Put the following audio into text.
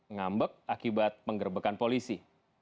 ngambek akibat penggerbekan polisi